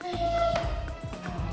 woy sekalian pinter